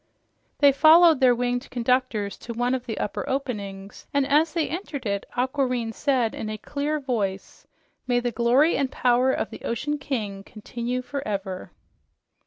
They followed their winged conductors to one of the upper openings, and as they entered it Aquareine said in a clear voice, "May the glory and power of the ocean king continue forever!"